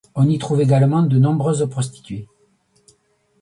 On y trouve également de nombreuses prostituées.